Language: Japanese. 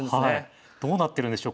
どうなってるんでしょう